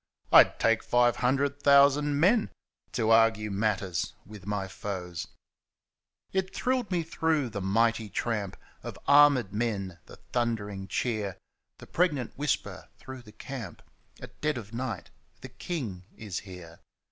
I'd take five hundred thousand men To argue matters with my foes ! It thrilled me through, the mighty tramp Of arm^ men, the thundering cheer — The pregnant whisper through the camp At dead of night :* The King is here